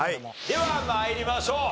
では参りましょう。